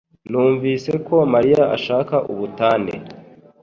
Numvise ko Mariya ashaka ubutane